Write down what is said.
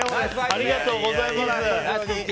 ありがとうございます。